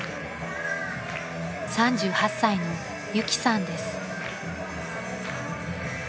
［３８歳のユキさんです］